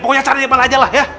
pokoknya cari di depan aja lah ya